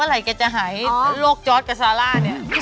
เมื่อไหร่แกจะหายโรคจอสกับซาร่าเนี่ย